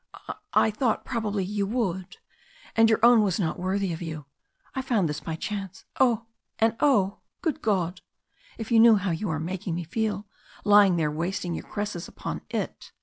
"I thought probably you would. And your own was not worthy of you. I found this by chance. And oh! good God! if you knew how you are making me feel lying there wasting your caresses upon it!"